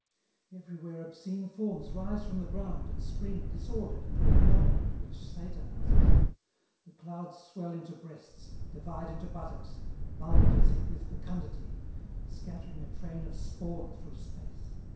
"Everywhere obscene forms rise from the ground and spring, disordered, into a firmament which satanizes. The clouds swell into breasts, divide into buttocks, bulge as if with fecundity, scattering a train of spawn through space.